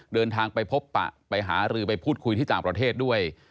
เดินทางไปพบปะไปหารือไปพูดคุยที่ต่างประเทศด้วย